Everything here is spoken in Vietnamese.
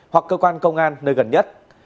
hoặc cơ quan công an nơi gần nhất